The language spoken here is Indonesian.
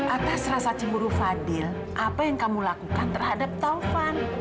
atas rasa cemburu fadil apa yang kamu lakukan terhadap taufan